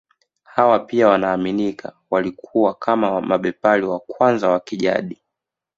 Hawa pia wanaaminika walikuwa kama mabepari wa kwanza wa kijadi